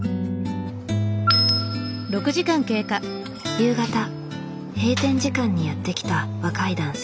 夕方閉店時間にやって来た若い男性。